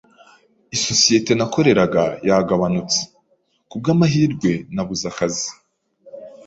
Isosiyete nakoreraga yagabanutse. Kubwamahirwe, nabuze akazi.